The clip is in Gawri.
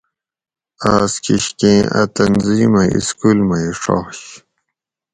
اس کِشکیں اۤ تنظیمہ اِسکول مئ ڛاش